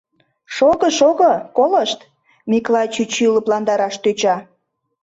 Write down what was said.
— Шого-шого, колышт, — Миклай чӱчӱ лыпландараш тӧча.